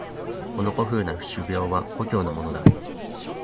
この古風な酒瓢は故郷のものだ。